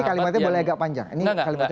ini kalimatnya boleh agak panjang enggak enggak